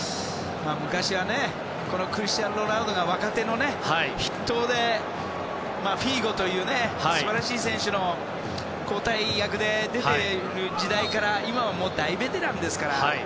昔はクリスティアーノ・ロナウドが若手の筆頭でフィーゴという素晴らしい選手の交代役で出ている時代から、今はもう大ベテランですからね。